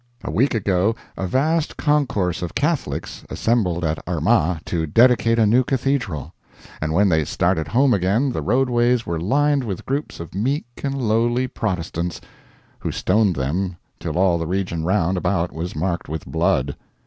A week ago a vast concourse of Catholics assembled at Armagh to dedicate a new Cathedral; and when they started home again the roadways were lined with groups of meek and lowly Protestants who stoned them till all the region round about was marked with blood.